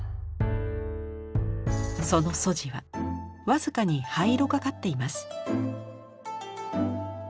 その素地は僅かに灰色がかっています。